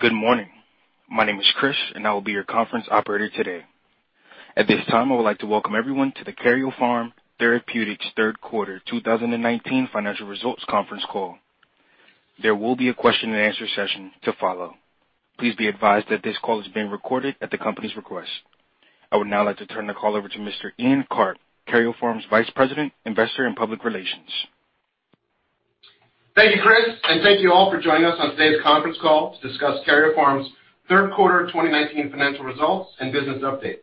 Good morning. My name is Chris, I will be your conference operator today. At this time, I would like to welcome everyone to the Karyopharm Therapeutics third quarter 2019 financial results conference call. There will be a question and answer session to follow. Please be advised that this call is being recorded at the company's request. I would now like to turn the call over to Mr. Ian Karp, Karyopharm's Vice President, Investor and Public Relations. Thank you, Chris, and thank you all for joining us on today's conference call to discuss Karyopharm's third quarter 2019 financial results and business update.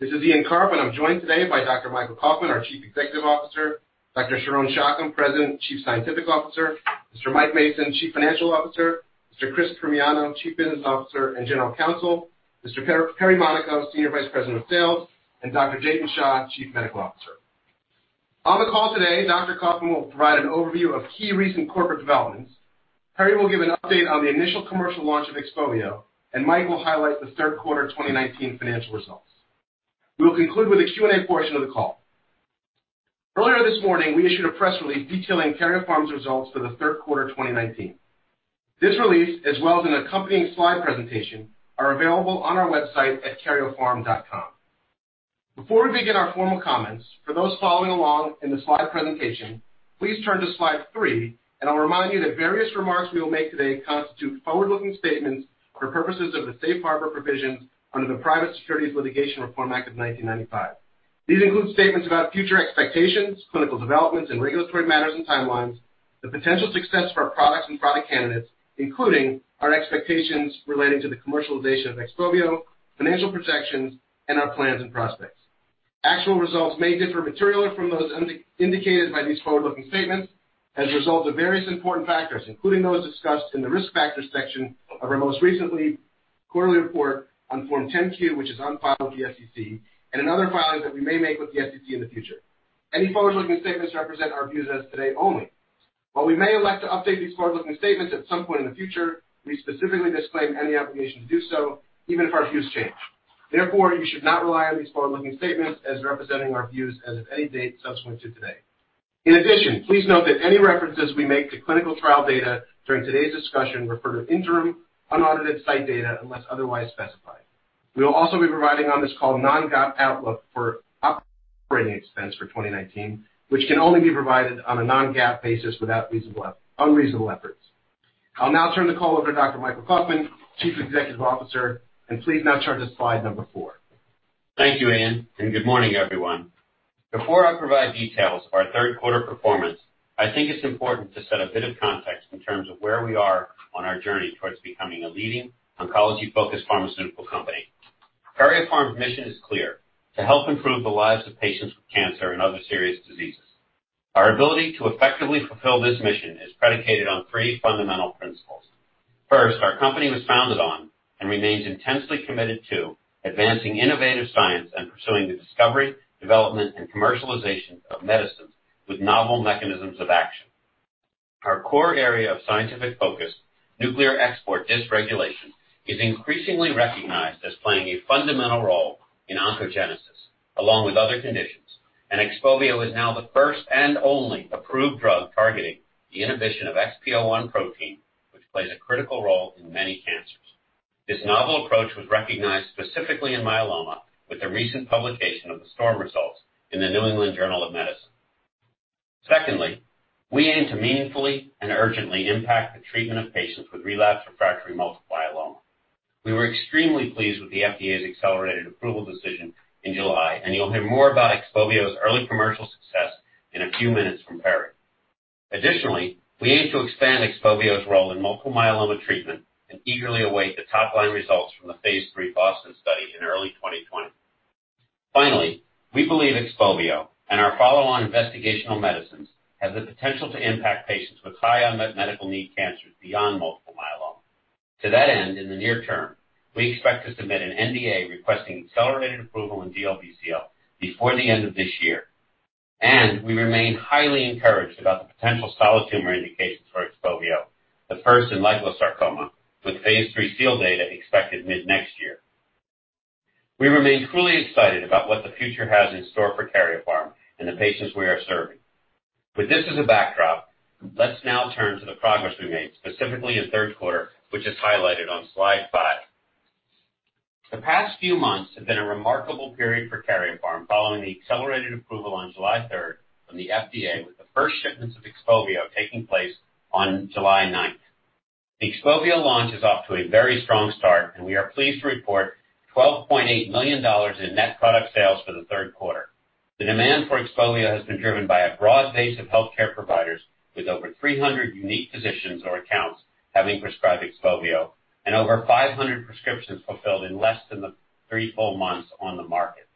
This is Ian Karp, and I'm joined today by Dr. Michael Kauffman, our Chief Executive Officer, Dr. Sharon Shacham, President and Chief Scientific Officer, Mr. Mike Mason, Chief Financial Officer, Mr. Chris Primiano, Chief Business Officer and General Counsel, Mr. Perry Monaco, Senior Vice President of Sales, and Dr. Jatin Shah, Chief Medical Officer. On the call today, Dr. Kauffman will provide an overview of key recent corporate developments. Perry will give an update on the initial commercial launch of XPOVIO, and Mike will highlight the third quarter 2019 financial results. We will conclude with a Q&A portion of the call. Earlier this morning, we issued a press release detailing Karyopharm's results for the third quarter 2019. This release, as well as an accompanying slide presentation, are available on our website at karyopharm.com. Before we begin our formal comments, for those following along in the slide presentation, please turn to slide three, and I'll remind you that various remarks we will make today constitute forward-looking statements for purposes of the safe harbor provisions under the Private Securities Litigation Reform Act of 1995. These include statements about future expectations, clinical developments and regulatory matters and timelines, the potential success for our products and product candidates, including our expectations relating to the commercialization of XPOVIO, financial protections, and our plans and prospects. Actual results may differ materially from those indicated by these forward-looking statements as a result of various important factors, including those discussed in the Risk Factors section of our most recent quarterly report on Form 10-Q, which is on file with the SEC, and in other filings that we may make with the SEC in the future. Any forward-looking statements represent our views as of today only. While we may elect to update these forward-looking statements at some point in the future, we specifically disclaim any obligation to do so, even if our views change. Therefore, you should not rely on these forward-looking statements as representing our views as of any date subsequent to today. In addition, please note that any references we make to clinical trial data during today's discussion refer to interim, unaudited site data unless otherwise specified. We will also be providing on this call non-GAAP outlook for operating expense for 2019, which can only be provided on a non-GAAP basis without unreasonable efforts. I'll now turn the call over to Dr. Michael Kauffman, Chief Executive Officer, and please now turn to slide number four. Thank you, Ian. Good morning, everyone. Before I provide details of our third quarter performance, I think it's important to set a bit of context in terms of where we are on our journey towards becoming a leading oncology-focused pharmaceutical company. Karyopharm's mission is clear: To help improve the lives of patients with cancer and other serious diseases. Our ability to effectively fulfill this mission is predicated on three fundamental principles. First, our company was founded on, and remains intensely committed to, advancing innovative science and pursuing the discovery, development, and commercialization of medicines with novel mechanisms of action. Our core area of scientific focus, nuclear export dysregulation, is increasingly recognized as playing a fundamental role in oncogenesis, along with other conditions, and XPOVIO is now the first and only approved drug targeting the inhibition of XPO1 protein, which plays a critical role in many cancers. This novel approach was recognized specifically in myeloma with the recent publication of the STORM results in "The New England Journal of Medicine." Secondly, we aim to meaningfully and urgently impact the treatment of patients with relapse refractory multiple myeloma. We were extremely pleased with the FDA's accelerated approval decision in July, and you'll hear more about XPOVIO's early commercial success in a few minutes from Perry. Additionally, we aim to expand XPOVIO's role in multiple myeloma treatment and eagerly await the top-line results from the phase III BOSTON study in early 2020. Finally, we believe XPOVIO and our follow-on investigational medicines have the potential to impact patients with high medical need cancers beyond multiple myeloma. To that end, in the near term, we expect to submit an NDA requesting accelerated approval in DLBCL before the end of this year. We remain highly encouraged about the potential solid tumor indications for XPOVIO, the first in leiomyosarcoma, with phase III SEAL data expected mid-next year. We remain truly excited about what the future has in store for Karyopharm and the patients we are serving. With this as a backdrop, let's now turn to the progress we made specifically in the third quarter, which is highlighted on slide five. The past few months have been a remarkable period for Karyopharm following the accelerated approval on July 3rd from the FDA, with the first shipments of XPOVIO taking place on July 9th. The XPOVIO launch is off to a very strong start. We are pleased to report $12.8 million in net product sales for the third quarter. The demand for XPOVIO has been driven by a broad base of healthcare providers with over 300 unique physicians or accounts having prescribed XPOVIO and over 500 prescriptions fulfilled in less than the three full months on the market.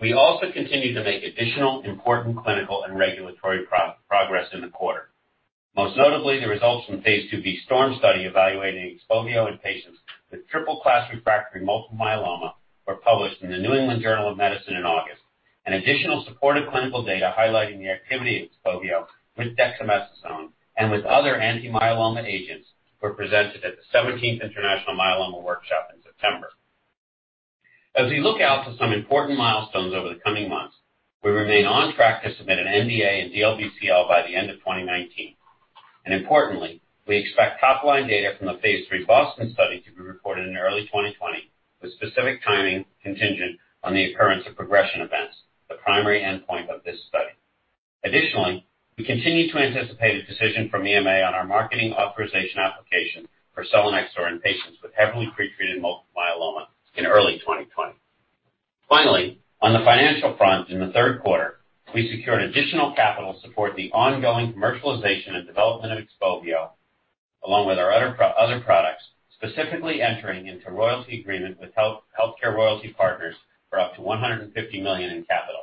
We also continued to make additional important clinical and regulatory progress in the quarter. Most notably, the results from phase II-B STORM study evaluating XPOVIO in patients with triple class refractory multiple myeloma were published in "The New England Journal of Medicine" in August. Additional supported clinical data highlighting the activity of XPOVIO with dexamethasone and with other anti-myeloma agents were presented at the 17th International Myeloma Workshop in September. As we look out to some important milestones over the coming months, we remain on track to submit an NDA and DLBCL by the end of 2019. Importantly, we expect top-line data from the phase III BOSTON study to be reported in early 2020, with specific timing contingent on the occurrence of progression events, the primary endpoint of this study. Additionally, we continue to anticipate a decision from EMA on our Marketing Authorization Application for selinexor in patients with heavily pre-treated multiple myeloma in early 2020. Finally, on the financial front in the third quarter, we secured additional capital to support the ongoing commercialization and development of XPOVIO, along with our other products, specifically entering into royalty agreement with HealthCare Royalty Partners for up to $150 million in capital.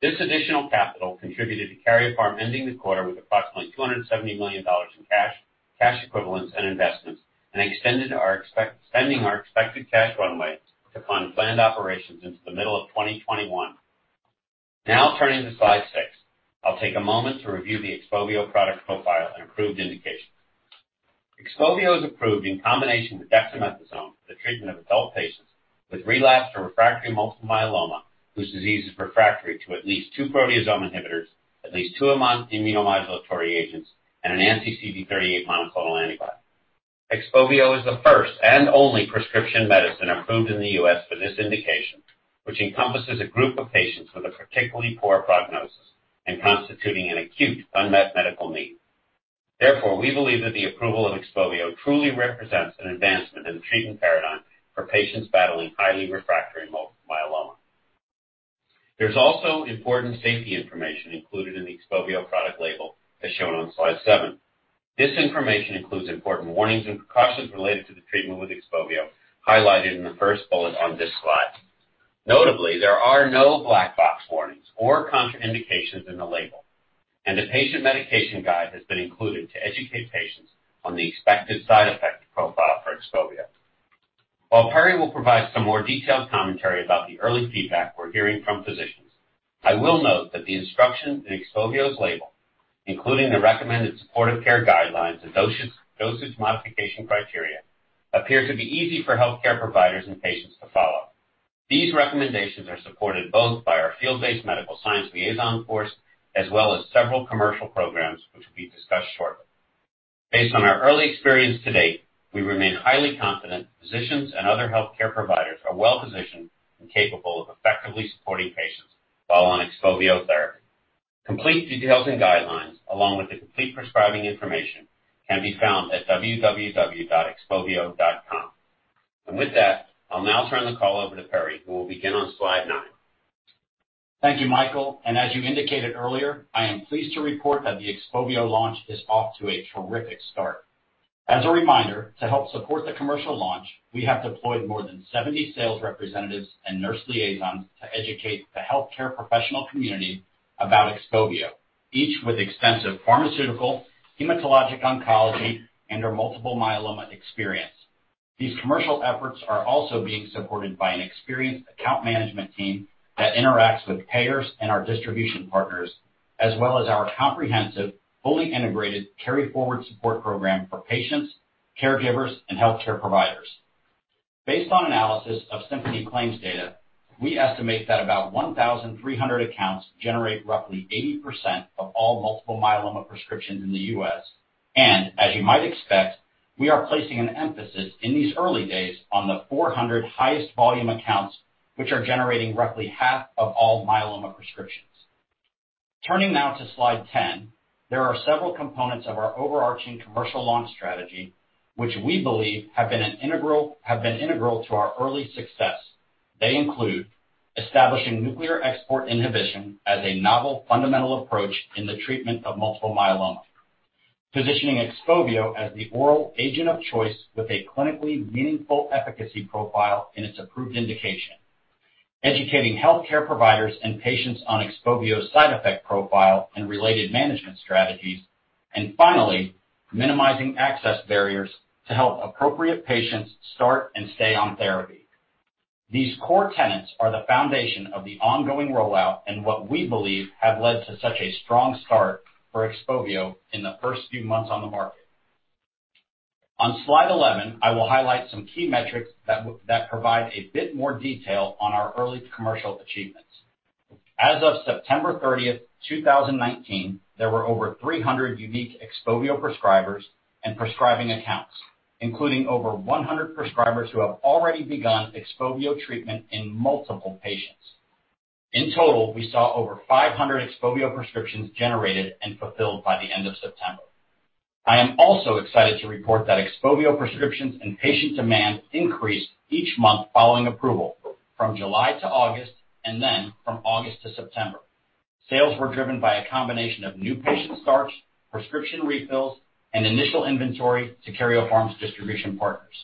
This additional capital contributed to Karyopharm ending the quarter with approximately $270 million in cash equivalents and investments, and extending our expected cash runway to fund planned operations into the middle of 2021. Turning to slide six. I'll take a moment to review the XPOVIO product profile and approved indications. XPOVIO is approved in combination with dexamethasone for the treatment of adult patients with relapsed or refractory multiple myeloma, whose disease is refractory to at least two proteasome inhibitors, at least two immunomodulatory agents, and an anti-CD38 monoclonal antibody. XPOVIO is the first and only prescription medicine approved in the U.S. for this indication, which encompasses a group of patients with a particularly poor prognosis and constituting an acute unmet medical need. We believe that the approval of XPOVIO truly represents an advancement in the treatment paradigm for patients battling highly refractory multiple myeloma. There's also important safety information included in the XPOVIO product label, as shown on slide seven. This information includes important warnings and precautions related to the treatment with XPOVIO, highlighted in the first bullet on this slide. Notably, there are no black box warnings or contraindications in the label, and a patient medication guide has been included to educate patients on the expected side effect profile for XPOVIO. While Perry will provide some more detailed commentary about the early feedback we're hearing from physicians, I will note that the instructions in XPOVIO's label, including the recommended supportive care guidelines and dosage modification criteria, appear to be easy for healthcare providers and patients to follow. These recommendations are supported both by our field-based medical science liaison force as well as several commercial programs, which will be discussed shortly. Based on our early experience to date, we remain highly confident physicians and other healthcare providers are well-positioned and capable of effectively supporting patients while on XPOVIO therapy. Complete details and guidelines, along with the complete prescribing information, can be found at www.xpovio.com. With that, I'll now turn the call over to Perry, who will begin on slide nine. Thank you, Michael, as you indicated earlier, I am pleased to report that the XPOVIO launch is off to a terrific start. As a reminder, to help support the commercial launch, we have deployed more than 70 sales representatives and nurse liaisons to educate the healthcare professional community about XPOVIO, each with extensive pharmaceutical, hematologic oncology, and/or multiple myeloma experience. These commercial efforts are also being supported by an experienced account management team that interacts with payers and our distribution partners, as well as our comprehensive, fully integrated KaryForward support program for patients, caregivers, and healthcare providers. Based on analysis of Symphony Health claims data, we estimate that about 1,300 accounts generate roughly 80% of all multiple myeloma prescriptions in the U.S., and as you might expect, we are placing an emphasis in these early days on the 400 highest volume accounts, which are generating roughly half of all myeloma prescriptions. Turning now to slide 10, there are several components of our overarching commercial launch strategy, which we believe have been integral to our early success. They include establishing nuclear export inhibition as a novel, fundamental approach in the treatment of multiple myeloma, positioning XPOVIO as the oral agent of choice with a clinically meaningful efficacy profile in its approved indication, educating healthcare providers and patients on XPOVIO's side effect profile and related management strategies. Finally, minimizing access barriers to help appropriate patients start and stay on therapy. These core tenets are the foundation of the ongoing rollout and what we believe have led to such a strong start for XPOVIO in the first few months on the market. On slide 11, I will highlight some key metrics that provide a bit more detail on our early commercial achievements. As of September 30th, 2019, there were over 300 unique XPOVIO prescribers and prescribing accounts, including over 100 prescribers who have already begun XPOVIO treatment in multiple patients. In total, we saw over 500 XPOVIO prescriptions generated and fulfilled by the end of September. I am also excited to report that XPOVIO prescriptions and patient demand increased each month following approval from July to August and then from August to September. Sales were driven by a combination of new patient starts, prescription refills, and initial inventory to Karyopharm's distribution partners.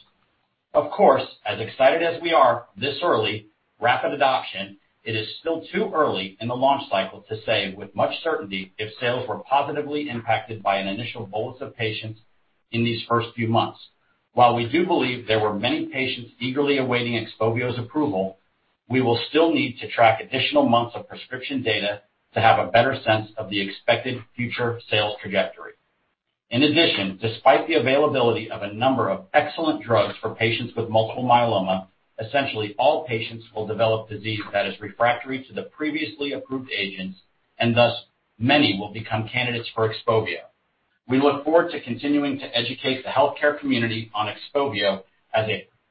Of course, as excited as we are this early, rapid adoption, it is still too early in the launch cycle to say with much certainty if sales were positively impacted by an initial bolus of patients in these first few months. While we do believe there were many patients eagerly awaiting XPOVIO's approval, we will still need to track additional months of prescription data to have a better sense of the expected future sales trajectory. In addition, despite the availability of a number of excellent drugs for patients with multiple myeloma, essentially all patients will develop disease that is refractory to the previously approved agents, and thus, many will become candidates for XPOVIO. We look forward to continuing to educate the healthcare community on XPOVIO as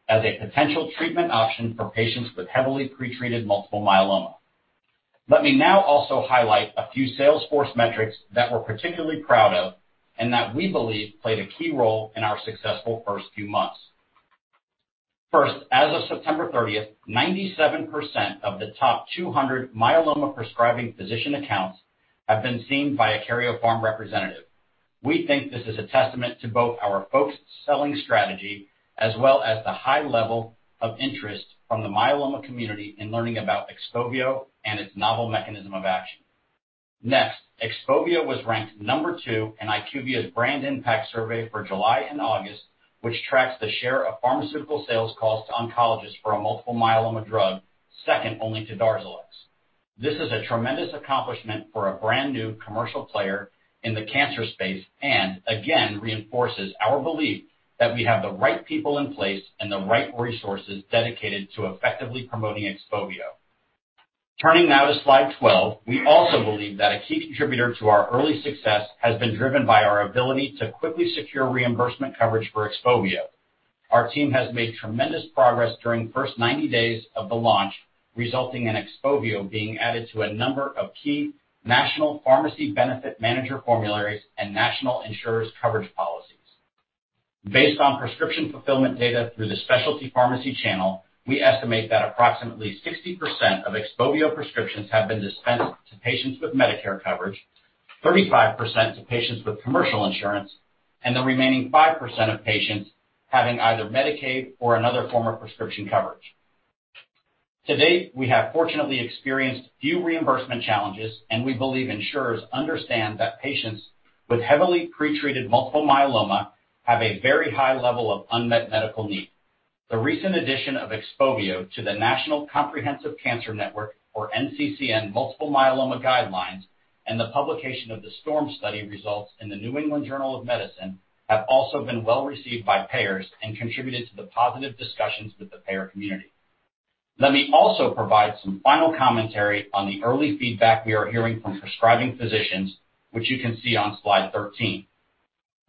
a potential treatment option for patients with heavily pretreated multiple myeloma. Let me now also highlight a few sales force metrics that we're particularly proud of and that we believe played a key role in our successful first few months. First, as of September 30th, 97% of the top 200 myeloma prescribing physician accounts have been seen by a Karyopharm representative. We think this is a testament to both our focused selling strategy as well as the high level of interest from the myeloma community in learning about XPOVIO and its novel mechanism of action. XPOVIO was ranked number two in IQVIA's BrandImpact Survey for July and August, which tracks the share of pharmaceutical sales calls to oncologists for a multiple myeloma drug, second only to DARZALEX. This is a tremendous accomplishment for a brand-new commercial player in the cancer space, and again, reinforces our belief that we have the right people in place and the right resources dedicated to effectively promoting XPOVIO. Turning now to slide 12. We also believe that a key contributor to our early success has been driven by our ability to quickly secure reimbursement coverage for XPOVIO. Our team has made tremendous progress during the first 90 days of the launch, resulting in XPOVIO being added to a number of key national pharmacy benefit manager formularies and national insurers' coverage policies. Based on prescription fulfillment data through the specialty pharmacy channel, we estimate that approximately 60% of XPOVIO prescriptions have been dispensed to patients with Medicare coverage, 35% to patients with commercial insurance, and the remaining 5% of patients having either Medicaid or another form of prescription coverage. To date, we have fortunately experienced few reimbursement challenges, and we believe insurers understand that patients with heavily pretreated multiple myeloma have a very high level of unmet medical need. The recent addition of XPOVIO to the National Comprehensive Cancer Network, or NCCN, multiple myeloma guidelines and the publication of the STORM study results in The New England Journal of Medicine have also been well received by payers and contributed to the positive discussions with the payer community. Let me also provide some final commentary on the early feedback we are hearing from prescribing physicians, which you can see on slide 13.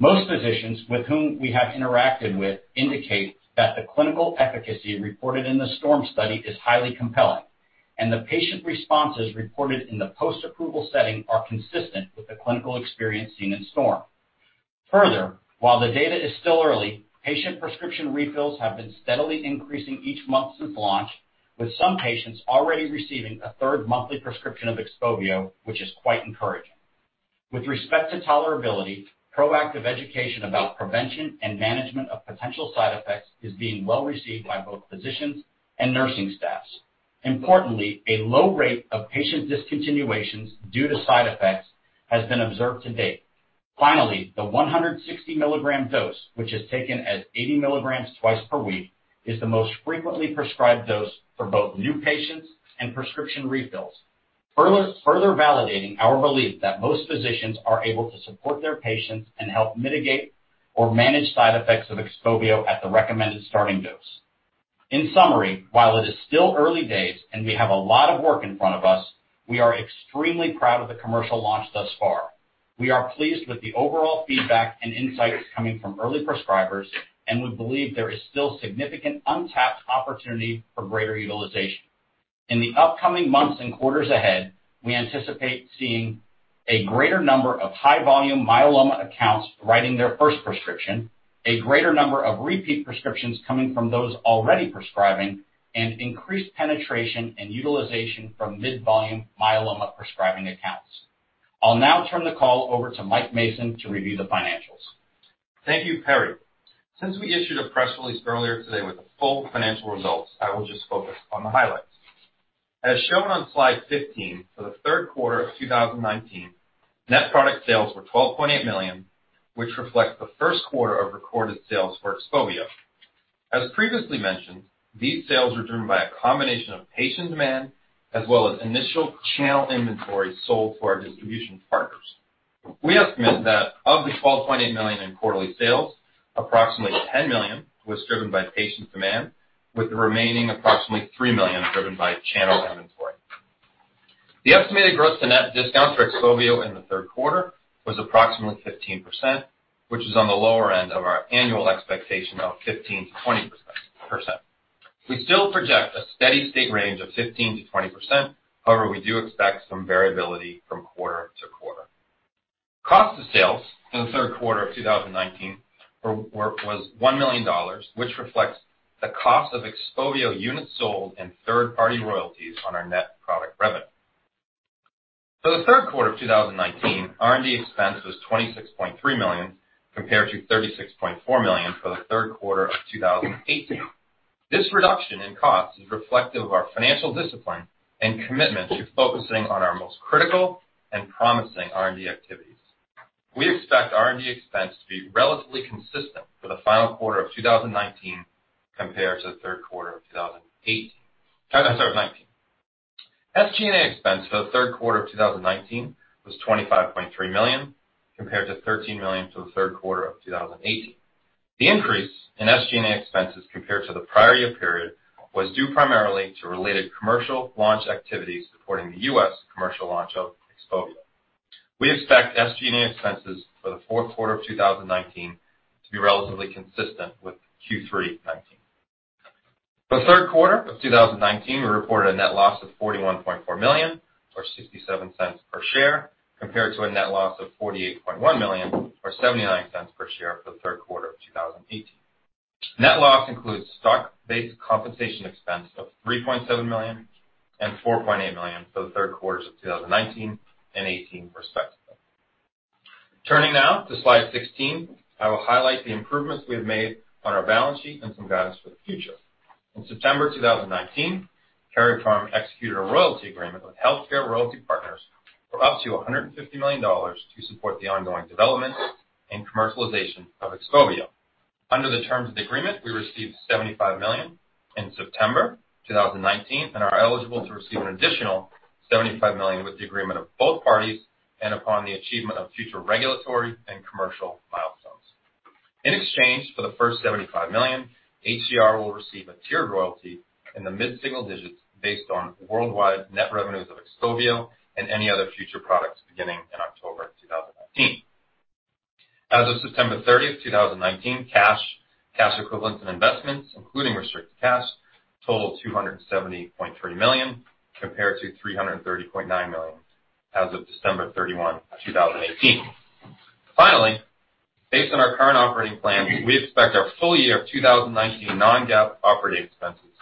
Most physicians with whom we have interacted with indicate that the clinical efficacy reported in the STORM study is highly compelling, and the patient responses reported in the post-approval setting are consistent with the clinical experience seen in STORM. While the data is still early, patient prescription refills have been steadily increasing each month since launch, with some patients already receiving a third monthly prescription of XPOVIO, which is quite encouraging. With respect to tolerability, proactive education about prevention and management of potential side effects is being well received by both physicians and nursing staffs. Importantly, a low rate of patient discontinuations due to side effects has been observed to date. The 160-milligram dose, which is taken as 80 milligrams twice per week, is the most frequently prescribed dose for both new patients and prescription refills, further validating our belief that most physicians are able to support their patients and help mitigate or manage side effects of XPOVIO at the recommended starting dose. In summary, while it is still early days and we have a lot of work in front of us, we are extremely proud of the commercial launch thus far. We are pleased with the overall feedback and insights coming from early prescribers, and we believe there is still significant untapped opportunity for greater utilization. In the upcoming months and quarters ahead, we anticipate seeing a greater number of high-volume myeloma accounts writing their first prescription, a greater number of repeat prescriptions coming from those already prescribing, and increased penetration and utilization from mid-volume myeloma prescribing accounts. I'll now turn the call over to Mike Mason to review the financials. Thank you, Perry. Since we issued a press release earlier today with the full financial results, I will just focus on the highlights. As shown on slide 15, for the third quarter of 2019, net product sales were $12.8 million, which reflects the first quarter of recorded sales for XPOVIO. As previously mentioned, these sales were driven by a combination of patient demand as well as initial channel inventory sold to our distribution partners. We estimate that of the $12.8 million in quarterly sales, approximately $10 million was driven by patient demand, with the remaining approximately $3 million driven by channel inventory. The estimated gross-to-net discount for XPOVIO in the third quarter was approximately 15%, which is on the lower end of our annual expectation of 15%-20%. We still project a steady state range of 15%-20%, however, we do expect some variability from quarter to quarter. Cost of sales in the third quarter of 2019 was $1 million, which reflects the cost of XPOVIO units sold and third-party royalties on our net product revenue. For the third quarter of 2019, R&D expense was $26.3 million compared to $36.4 million for the third quarter of 2018. This reduction in cost is reflective of our financial discipline and commitment to focusing on our most critical and promising R&D activities. We expect R&D expense to be relatively consistent for the final quarter of 2019 compared to the third quarter of 2018. Sorry, 2019. SG&A expense for the third quarter of 2019 was $25.3 million, compared to $13 million for the third quarter of 2018. The increase in SG&A expenses compared to the prior year period was due primarily to related commercial launch activities supporting the U.S. commercial launch of XPOVIO. We expect SG&A expenses for the fourth quarter of 2019 to be relatively consistent with Q3 '19. For the third quarter of 2019, we reported a net loss of $41.4 million or $0.67 per share, compared to a net loss of $48.1 million or $0.79 per share for the third quarter of 2018. Net loss includes stock-based compensation expense of $3.7 million and $4.8 million for the third quarters of 2019 and '18, respectively. Turning now to slide 16, I will highlight the improvements we have made on our balance sheet and some guidance for the future. In September 2019, Karyopharm Therapeutics executed a royalty agreement with HealthCare Royalty Partners for up to $150 million to support the ongoing development and commercialization of XPOVIO. Under the terms of the agreement, we received $75 million in September 2019 and are eligible to receive an additional $75 million with the agreement of both parties and upon the achievement of future regulatory and commercial milestones. In exchange for the first $75 million, HCR will receive a tiered royalty in the mid-single digits based on worldwide net revenues of XPOVIO and any other future products beginning in October 2019. As of September 30th, 2019, cash equivalents, and investments, including restricted cash, total $270.3 million compared to $330.9 million as of December 31, 2018. Finally, based on our current operating plan, we expect our full year of 2019 non-GAAP operating expenses,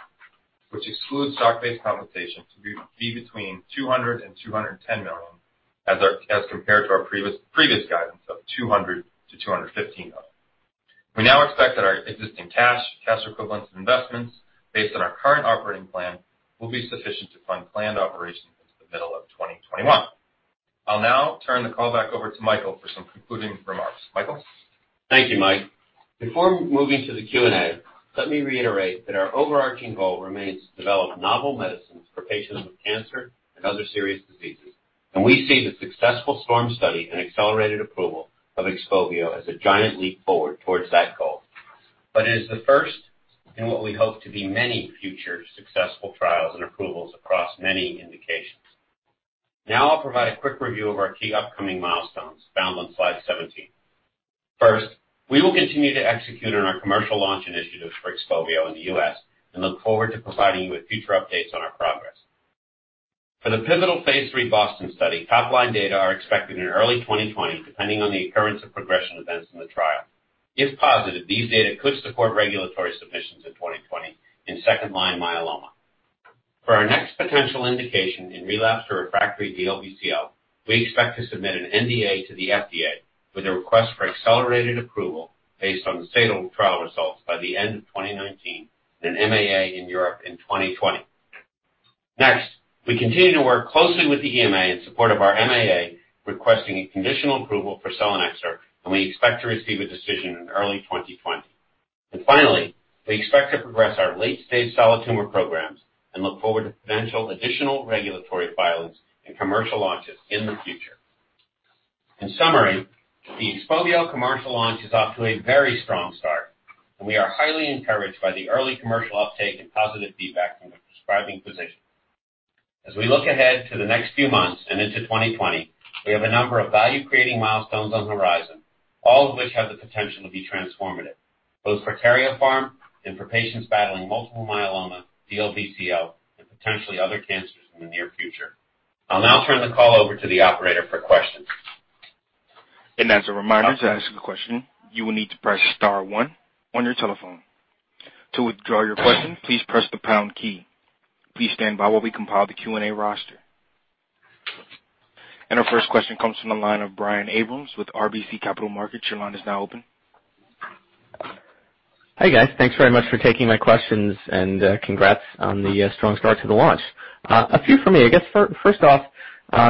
which excludes stock-based compensation, to be between $200 million and $210 million as compared to our previous guidance of $200 million to $215 million. We now expect that our existing cash equivalents, and investments, based on our current operating plan, will be sufficient to fund planned operations into the middle of 2021. I'll now turn the call back over to Michael for some concluding remarks. Michael? Thank you, Mike. Before moving to the Q&A, let me reiterate that our overarching goal remains to develop novel medicines for patients with cancer and other serious diseases. We see the successful STORM study and accelerated approval of XPOVIO as a giant leap forward towards that goal. It is the first in what we hope to be many future successful trials and approvals across many indications. I'll provide a quick review of our key upcoming milestones found on slide 17. First, we will continue to execute on our commercial launch initiatives for XPOVIO in the U.S. and look forward to providing you with future updates on our progress. For the pivotal phase III BOSTON study, top-line data are expected in early 2020, depending on the occurrence of progression events in the trial. If positive, these data could support regulatory submissions in 2020 in second-line myeloma. For our next potential indication in relapsed or refractory DLBCL, we expect to submit an NDA to the FDA with a request for accelerated approval based on the state of trial results by the end of 2019 and an MAA in Europe in 2020. We continue to work closely with the EMA in support of our MAA, requesting a conditional approval for selinexor, and we expect to receive a decision in early 2020. Finally, we expect to progress our late-stage solid tumor programs and look forward to potential additional regulatory filings and commercial launches in the future. In summary, the XPOVIO commercial launch is off to a very strong start, and we are highly encouraged by the early commercial uptake and positive feedback from the prescribing physicians. As we look ahead to the next few months and into 2020, we have a number of value-creating milestones on the horizon, all of which have the potential to be transformative, both for Karyopharm and for patients battling multiple myeloma, DLBCL, and potentially other cancers in the near future. I'll now turn the call over to the operator for questions. As a reminder, to ask a question, you will need to press star one on your telephone. To withdraw your question, please press the pound key. Please stand by while we compile the Q&A roster. Our first question comes from the line of Brian Abrahams with RBC Capital Markets. Your line is now open. Hi, guys. Thanks very much for taking my questions, and congrats on the strong start to the launch. A few from me. I guess first off,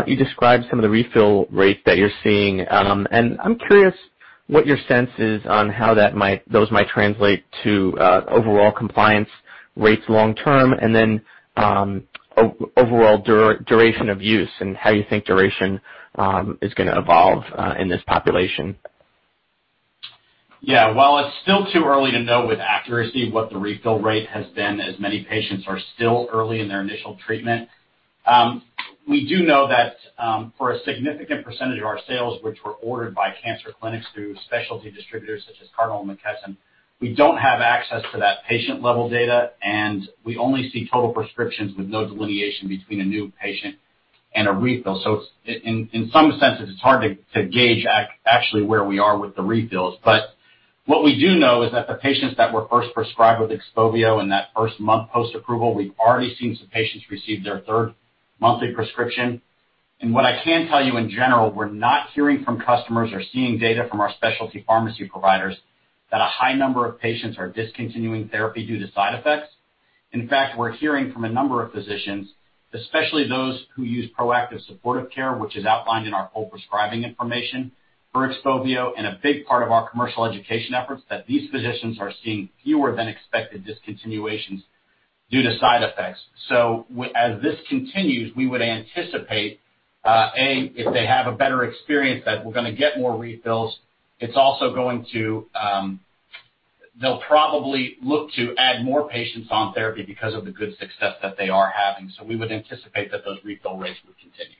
you described some of the refill rate that you're seeing. I'm curious what your sense is on how those might translate to overall compliance rates long term and then overall duration of use and how you think duration is gonna evolve in this population? While it's still too early to know with accuracy what the refill rate has been, as many patients are still early in their initial treatment, we do know that for a significant percentage of our sales, which were ordered by cancer clinics through specialty distributors such as Cardinal and McKesson, we don't have access to that patient-level data, and we only see total prescriptions with no delineation between a new patient and a refill. In some senses, it's hard to gauge actually where we are with the refills. What we do know is that the patients that were first prescribed with XPOVIO in that first month post-approval, we've already seen some patients receive their third monthly prescription. What I can tell you in general, we're not hearing from customers or seeing data from our specialty pharmacy providers that a high number of patients are discontinuing therapy due to side effects. In fact, we're hearing from a number of physicians, especially those who use proactive supportive care, which is outlined in our full prescribing information for XPOVIO and a big part of our commercial education efforts, that these physicians are seeing fewer than expected discontinuations Due to side effects. As this continues, we would anticipate, A, if they have a better experience that we're going to get more refills. They'll probably look to add more patients on therapy because of the good success that they are having. We would anticipate that those refill rates would continue.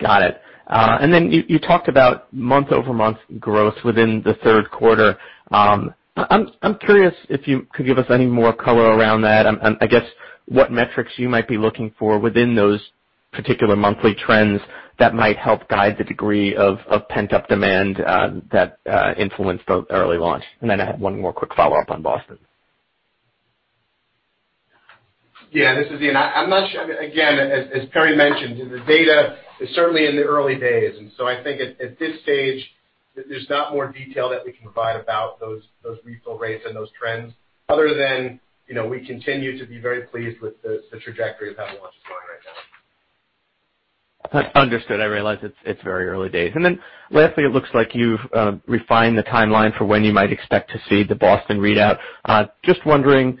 Got it. You talked about month-over-month growth within the third quarter. I'm curious if you could give us any more color around that and, I guess, what metrics you might be looking for within those particular monthly trends that might help guide the degree of pent-up demand that influenced the early launch. Then I have one more quick follow-up on BOSTON. Yeah. This is Ian. I'm not sure. Again, as Perry mentioned, the data is certainly in the early days. I think at this stage, there's not more detail that we can provide about those refill rates and those trends other than we continue to be very pleased with the trajectory of how launch is going right now. Understood. I realize it's very early days. Then lastly, it looks like you've refined the timeline for when you might expect to see the BOSTON readout. Just wondering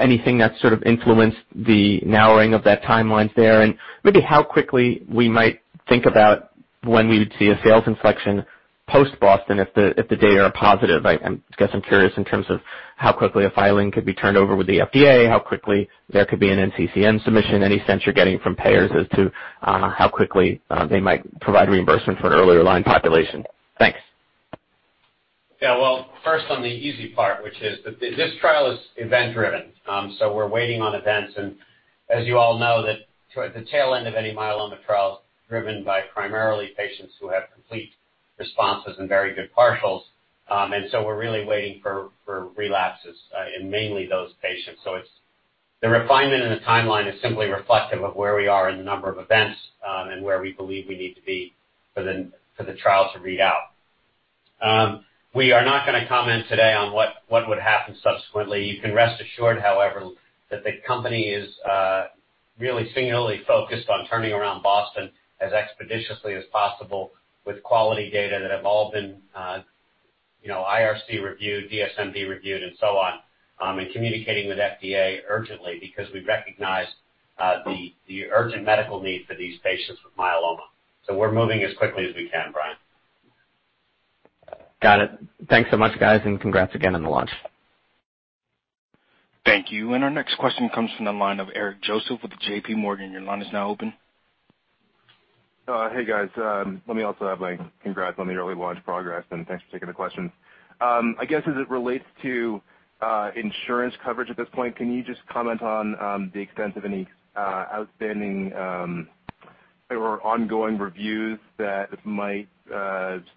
anything that sort of influenced the narrowing of that timeline there, and maybe how quickly we might think about when we would see a sales inflection post BOSTON if the data are positive. I'm curious in terms of how quickly a filing could be turned over with the FDA, how quickly there could be an NCCN submission, any sense you're getting from payers as to how quickly they might provide reimbursement for an earlier line population. Thanks. Well, first on the easy part, which is that this trial is event driven. We're waiting on events and as you all know that the tail end of any myeloma trial is driven by primarily patients who have complete responses and very good partials. We're really waiting for relapses in mainly those patients. The refinement in the timeline is simply reflective of where we are in the number of events and where we believe we need to be for the trial to read out. We are not going to comment today on what would happen subsequently. You can rest assured, however, that the company is really singularly focused on turning around BOSTON as expeditiously as possible with quality data that have all been IRC reviewed, DSMB reviewed, and so on, and communicating with FDA urgently because we recognize the urgent medical need for these patients with multiple myeloma. We're moving as quickly as we can, Brian. Got it. Thanks so much, guys. Congrats again on the launch. Thank you. Our next question comes from the line of Eric Joseph with JPMorgan. Your line is now open. Hey, guys. Let me also have my congrats on the early launch progress, and thanks for taking the question. I guess as it relates to insurance coverage at this point, can you just comment on the extent of any outstanding or ongoing reviews that might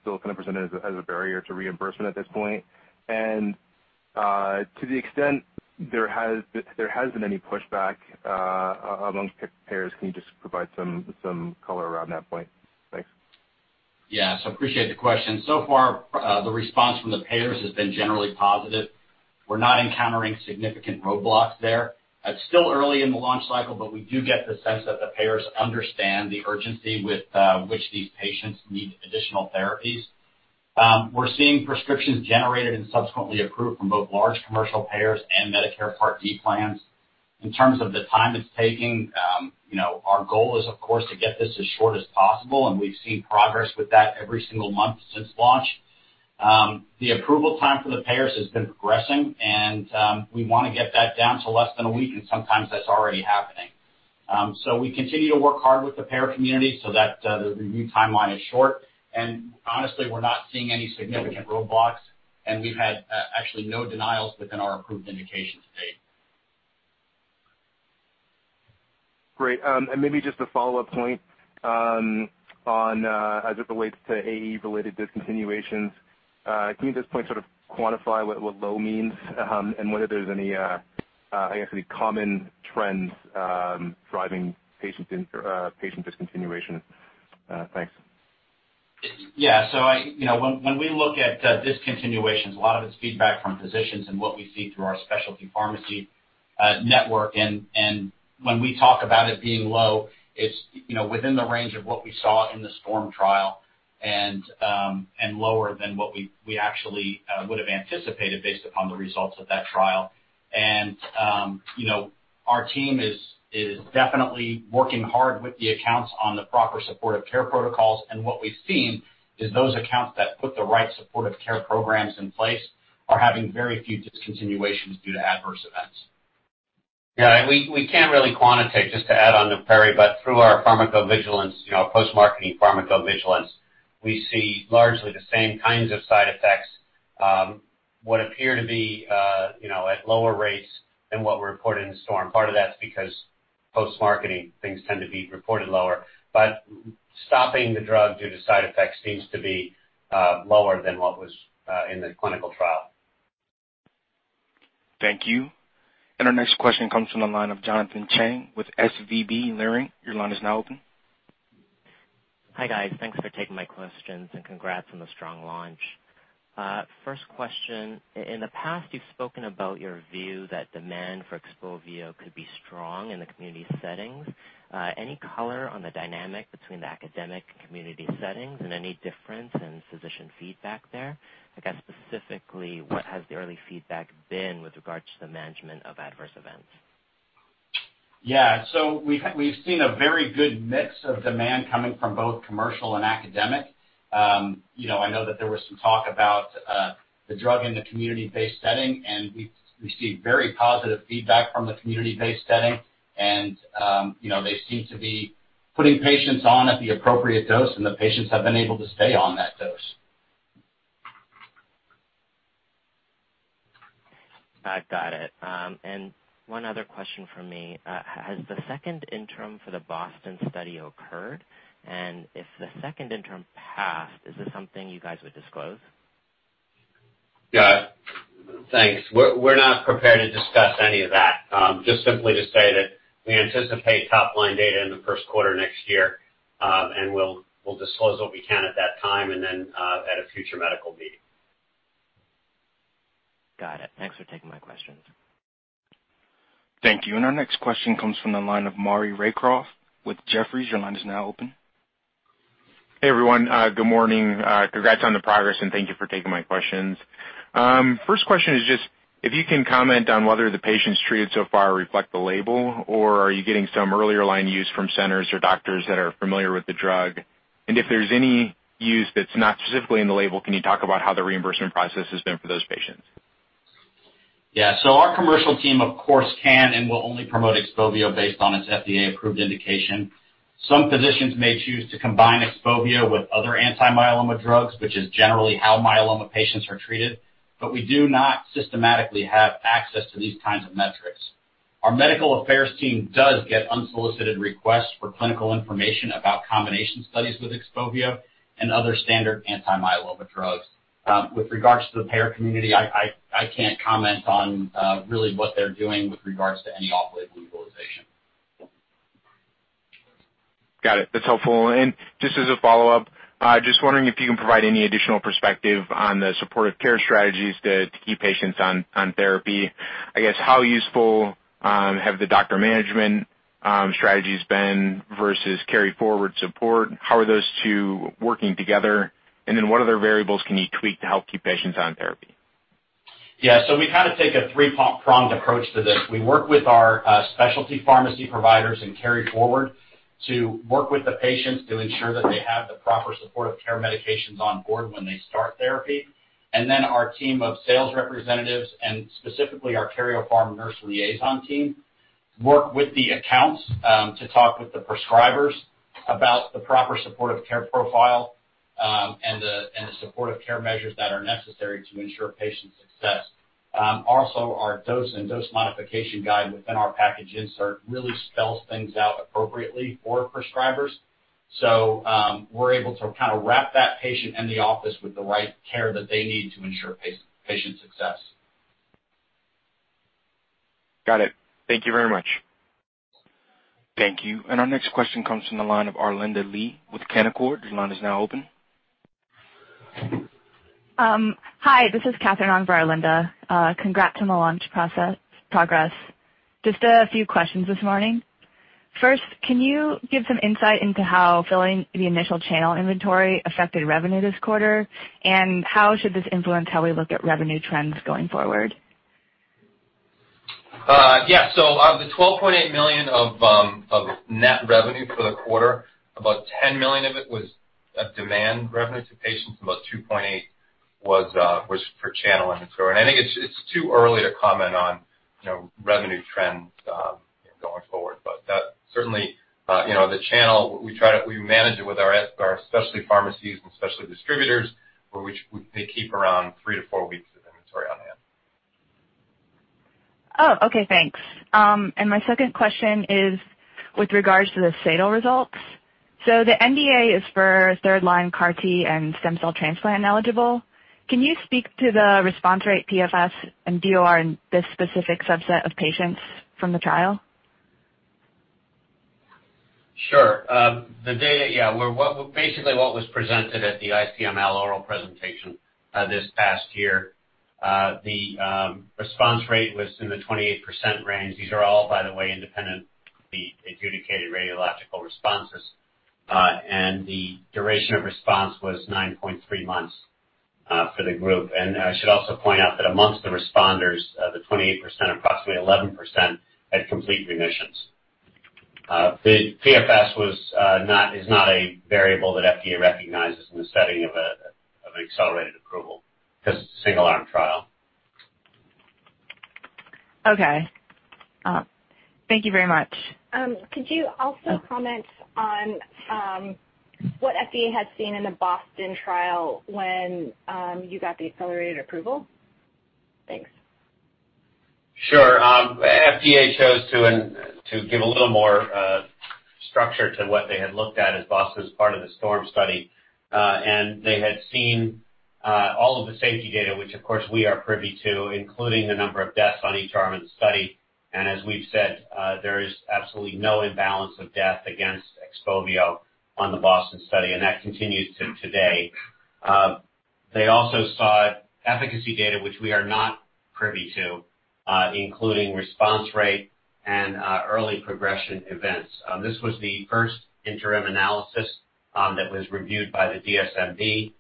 still kind of present as a barrier to reimbursement at this point? To the extent there has been any pushback amongst payers, can you just provide some color around that point? Thanks. Yeah. Appreciate the question. Far, the response from the payers has been generally positive. We're not encountering significant roadblocks there. It's still early in the launch cycle, but we do get the sense that the payers understand the urgency with which these patients need additional therapies. We're seeing prescriptions generated and subsequently approved from both large commercial payers and Medicare Part D plans. In terms of the time it's taking, our goal is, of course, to get this as short as possible, and we've seen progress with that every single month since launch. The approval time for the payers has been progressing, and we want to get that down to less than a week, and sometimes that's already happening. We continue to work hard with the payer community so that the review timeline is short, and honestly, we're not seeing any significant roadblocks, and we've had actually no denials within our approved indication to date. Great. Maybe just a follow-up point as it relates to AE-related discontinuations. Can you at this point sort of quantify what low means and whether there's any, I guess, any common trends driving patient discontinuation? Thanks. Yeah. When we look at discontinuations, a lot of it is feedback from physicians and what we see through our specialty pharmacy network. When we talk about it being low, it's within the range of what we saw in the STORM trial and lower than what we actually would have anticipated based upon the results of that trial. Our team is definitely working hard with the accounts on the proper supportive care protocols. What we've seen is those accounts that put the right supportive care programs in place are having very few discontinuations due to adverse events. We can't really quantitate, just to add on to Perry, but through our post-marketing pharmacovigilance, we see largely the same kinds of side effects, what appear to be at lower rates than what were reported in the STORM. Part of that is because post-marketing things tend to be reported lower, but stopping the drug due to side effects seems to be lower than what was in the clinical trial. Thank you. Our next question comes from the line of Jonathan Chang with SVB Leerink. Your line is now open. Hi, guys. Thanks for taking my questions and congrats on the strong launch. First question, in the past, you've spoken about your view that demand for XPOVIO could be strong in the community settings. Any color on the dynamic between the academic and community settings and any difference in physician feedback there? I guess specifically, what has the early feedback been with regards to the management of adverse events? Yeah. We've seen a very good mix of demand coming from both commercial and academic. I know that there was some talk about the drug in the community-based setting, and we've received very positive feedback from the community-based setting. They seem to be putting patients on at the appropriate dose, and the patients have been able to stay on that dose. Got it. One other question from me. Has the second interim for the BOSTON study occurred? If the second interim passed, is this something you guys would disclose? Yeah. Thanks. We're not prepared to discuss any of that. Just simply to say that we anticipate top-line data in the first quarter next year. We'll disclose what we can at that time, and then at a future medical meeting. Got it. Thanks for taking my questions. Thank you. Our next question comes from the line of Maury Raycroft with Jefferies. Your line is now open. Hey, everyone. Good morning. Congrats on the progress. Thank you for taking my questions. First question is just if you can comment on whether the patients treated so far reflect the label, or are you getting some earlier line use from centers or doctors that are familiar with the drug? If there's any use that's not specifically in the label, can you talk about how the reimbursement process has been for those patients? Yeah. Our commercial team, of course, can and will only promote XPOVIO based on its FDA-approved indication. Some physicians may choose to combine XPOVIO with other anti-myeloma drugs, which is generally how myeloma patients are treated, but we do not systematically have access to these kinds of metrics. Our medical affairs team does get unsolicited requests for clinical information about combination studies with XPOVIO and other standard anti-myeloma drugs. With regards to the payer community, I can't comment on really what they're doing with regards to any off-label utilization. Got it. That's helpful. Just as a follow-up, just wondering if you can provide any additional perspective on the supportive care strategies to keep patients on therapy? I guess, how useful have the doctor management strategies been versus KaryForward support? How are those two working together? What other variables can you tweak to help keep patients on therapy? We take a three-pronged approach to this. We work with our specialty pharmacy providers and KaryForward to work with the patients to ensure that they have the proper supportive care medications on board when they start therapy. Our team of sales representatives and specifically our Karyopharm nurse liaison team, work with the accounts to talk with the prescribers about the proper supportive care profile and the supportive care measures that are necessary to ensure patient success. Also, our dose and dose modification guide within our package insert really spells things out appropriately for prescribers. We're able to wrap that patient in the office with the right care that they need to ensure patient success. Got it. Thank you very much. Thank you. Our next question comes from the line of Arlinda Lee with Canaccord. Your line is now open. Hi, this is Catherine on for Arlinda. Congrats on the launch progress. Just a few questions this morning. First, can you give some insight into how filling the initial channel inventory affected revenue this quarter? How should this influence how we look at revenue trends going forward? Of the $12.8 million of net revenue for the quarter, about $10 million of it was of demand revenue to patients, about $2.8 million was for channel inventory. I think it's too early to comment on revenue trends going forward. That certainly, the channel, we manage it with our specialty pharmacies and specialty distributors, they keep around three to four weeks of inventory on hand. Oh, okay. Thanks. My second question is with regards to the SADAL results. The NDA is for third-line CAR T and stem cell transplant ineligible. Can you speak to the response rate PFS and DOR in this specific subset of patients from the trial? Sure. Basically what was presented at the ICML oral presentation this past year, the response rate was in the 28% range. These are all, by the way, independent, the adjudicated radiological responses. The duration of response was 9.3 months for the group. I should also point out that amongst the responders, the 28%, approximately 11% had complete remissions. The PFS is not a variable that FDA recognizes in the setting of an accelerated approval because it's a single-arm trial. Okay. Thank you very much. Could you also comment on what FDA had seen in the BOSTON trial when you got the accelerated approval? Thanks. Sure. FDA chose to give a little more structure to what they had looked at as BOSTON as part of the STORM study. They had seen all of the safety data, which of course we are privy to, including the number of deaths on each arm of the study. As we've said, there is absolutely no imbalance of death against XPOVIO on the BOSTON study, and that continues to today. They also saw efficacy data, which we are not privy to, including response rate and early progression events. This was the first interim analysis that was reviewed by the DSMB.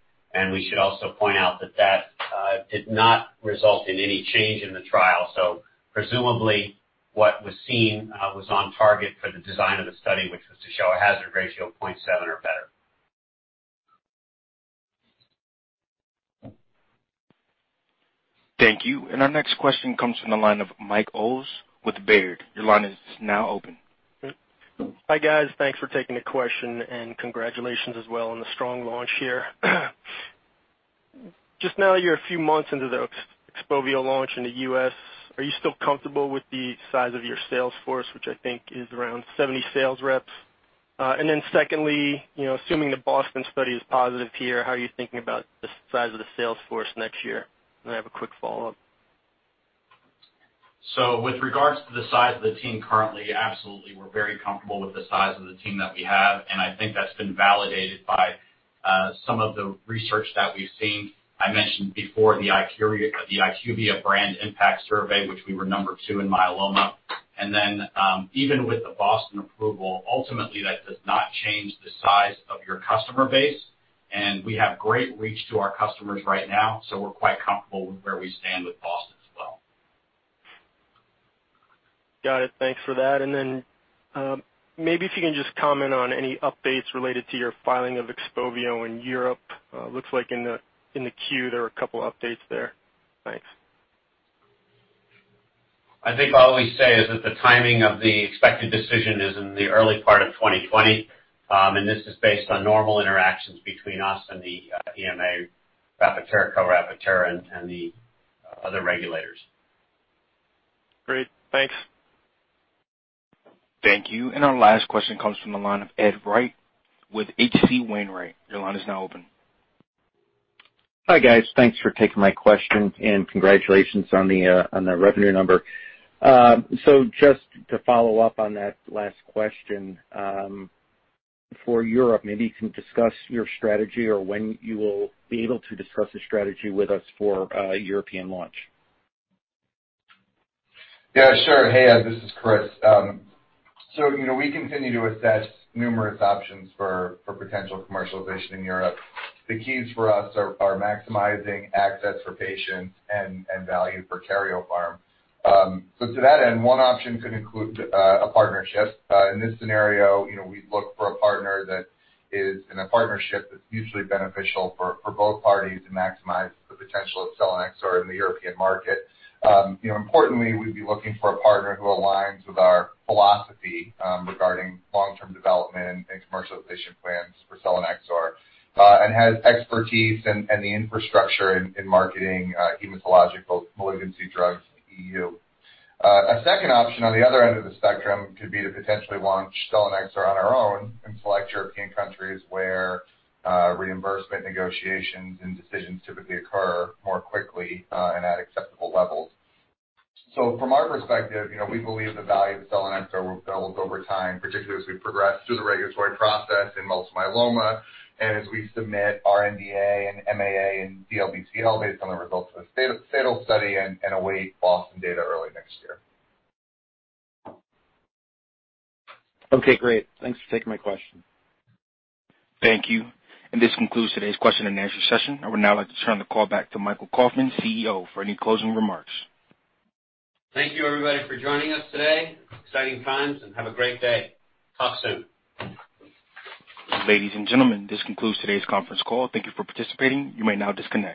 We should also point out that that did not result in any change in the trial. Presumably what was seen was on target for the design of the study, which was to show a hazard ratio of 0.7 or better. Thank you. Our next question comes from the line of Michael Ulz with Baird. Your line is now open. Hi, guys. Thanks for taking the question and congratulations as well on the strong launch here. Just now you're a few months into the XPOVIO launch in the U.S., are you still comfortable with the size of your sales force, which I think is around 70 sales reps? Secondly, assuming the BOSTON study is positive here, how are you thinking about the size of the sales force next year? I have a quick follow-up. With regards to the size of the team currently, absolutely. We're very comfortable with the size of the team that we have, and I think that's been validated by some of the research that we've seen. I mentioned before the IQVIA BrandImpact survey, which we were number 2 in myeloma. Even with the BOSTON approval, ultimately that does not change the size of your customer base. We have great reach to our customers right now, so we're quite comfortable with where we stand with BOSTON as well. Got it. Thanks for that. Maybe if you can just comment on any updates related to your filing of XPOVIO in Europe. Looks like in the queue, there were a couple updates there. Thanks. I think what I'll say is that the timing of the expected decision is in the early part of 2020. This is based on normal interactions between us and the EMA, Rapporteur, Co-Rapporteur, and the other regulators. Great, thanks. Thank you. Our last question comes from the line of Edward White with H.C. Wainwright. Your line is now open. Hi, guys. Thanks for taking my question and congratulations on the revenue number. Just to follow up on that last question, for Europe, maybe you can discuss your strategy or when you will be able to discuss the strategy with us for European launch. Yeah, sure. Hey, Ed, this is Chris. We continue to assess numerous options for potential commercialization in Europe. The keys for us are maximizing access for patients and value for Karyopharm. To that end, one option could include a partnership. In this scenario, we'd look for a partner that is in a partnership that's mutually beneficial for both parties to maximize the potential of selinexor in the European market. Importantly, we'd be looking for a partner who aligns with our philosophy regarding long-term development and commercialization plans for selinexor, and has expertise and the infrastructure in marketing hematological malignancy drugs in the EU. A second option on the other end of the spectrum could be to potentially launch selinexor on our own in select European countries where reimbursement negotiations and decisions typically occur more quickly, and at acceptable levels. From our perspective, we believe the value of selinexor will build over time, particularly as we progress through the regulatory process in multiple myeloma, and as we submit our NDA and MAA in DLBCL based on the results of the SADAL study and await BOSTON data early next year. Okay, great. Thanks for taking my question. Thank you. This concludes today's question and answer session. I would now like to turn the call back to Michael Kauffman, CEO, for any closing remarks. Thank you everybody for joining us today. Exciting times, and have a great day. Talk soon. Ladies and gentlemen, this concludes today's conference call. Thank you for participating. You may now disconnect.